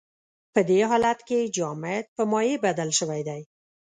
په دې حالت کې جامد په مایع بدل شوی دی.